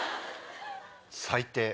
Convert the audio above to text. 最低。